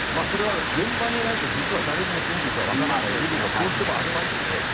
それは現場にいないと実は誰にも真実がわからない部分がどうしてもありますよね。